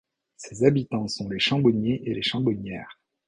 Ses habitants sont les Chambonniers et les Chambonnières.